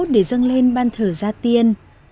để dâng lên ban thở gia tiên